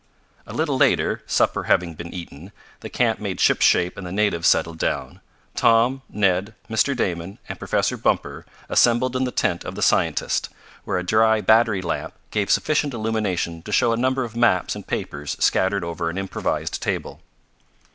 A little later, supper having been eaten, the camp made shipshape and the natives settled down, Tom, Ned, Mr. Damon and Professor Bumper assembled in the tent of the scientist, where a dry battery lamp gave sufficient illumination to show a number of maps and papers scattered over an improvised table.